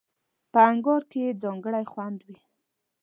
په انگار کې یې ځانګړی خوند وي.